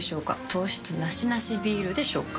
糖質ナシナシビールでしょうか？